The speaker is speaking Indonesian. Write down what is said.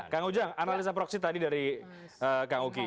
kang ujang analisa proxit tadi dari kang uki